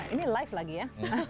ini live lagi ya